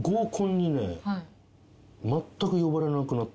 呼ばれなくなった？